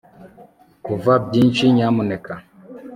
kuvuga, byinshi, nyamuneka